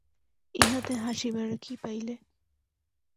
ইহাতে হাসিবার কি পাইলে?